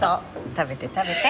食べて食べて。